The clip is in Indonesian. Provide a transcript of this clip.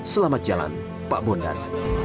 selamat jalan pak bondan